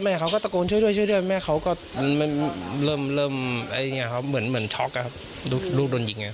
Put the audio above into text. แม่เขาก็ตะโกนช่วยด้วยช่วยด้วยแม่เขาก็เริ่มเหมือนช็อกครับลูกโดนยิง